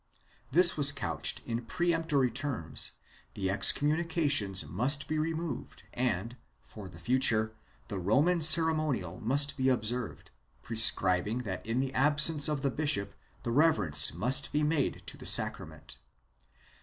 This was couched in peremptory terms; the excom munications must be removed and, for the future, the Roman 362 SUPEREMINENCE [BOOK II ceremonial must be observed, prescribing that in the absence of the bishop, the reverence must be made to the sacrament.